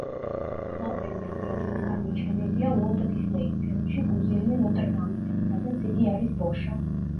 კლოპენი აგრეთვე წარმოჩენილია უოლტ დისნეის ფილმში „კუზიანი ნოტრ-დამიდან“, სადაც იგი არის ბოშა.